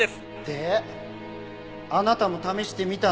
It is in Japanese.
であなたも試してみたの？